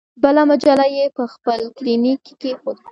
بله مجسمه یې په خپل کلینیک کې کیښوده.